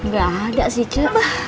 gak ada sih ce